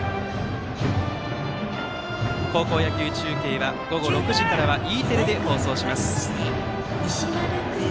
高校野球中継は午後６時からはＥテレで放送します。